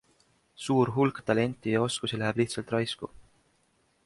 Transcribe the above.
Suur hulk talenti ja oskusi läheb lihtsalt raisku.